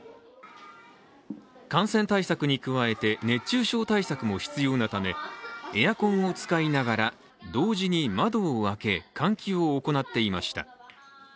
感染対策に加えて熱中症対策も必要なためエアコンを使いながら、同時に窓を開け換気を行っていました。